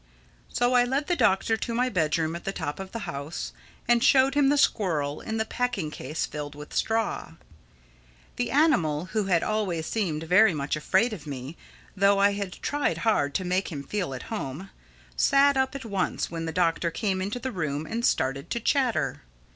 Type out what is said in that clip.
So I led the Doctor to my bedroom at the top of the house and showed him the squirrel in the packing case filled with straw. The animal, who had always seemed very much afraid of me—though I had tried hard to make him feel at home, sat up at once when the Doctor came into the room and started to chatter.